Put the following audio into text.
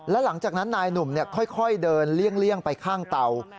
และหลังจากนั้นนายหนุ่มค่อยเดินเลี่ยงไปข้างเตา